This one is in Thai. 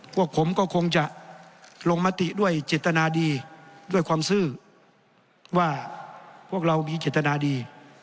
พวกผมก็คงจะลงมติด้วยเจตนาดีด้วยความซื่อว่าพวกเรามีเจตนาดี